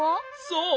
そう。